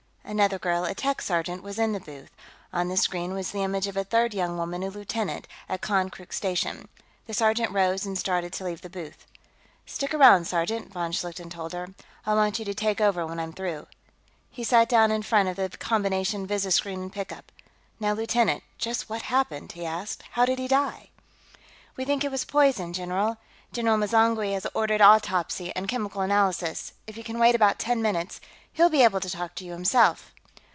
Another girl, a tech sergeant, was in the booth; on the screen was the image of a third young woman, a lieutenant, at Konkrook station. The sergeant rose and started to leave the booth. "Stick around, sergeant," von Schlichten told her. "I'll want you to take over when I'm through." He sat down in front of the combination visiscreen and pickup. "Now, lieutenant, just what happened?" he asked. "How did he die?" "We think it was poison, general. General M'zangwe has ordered autopsy and chemical analysis. If you can wait about ten minutes, he'll be able to talk to you, himself."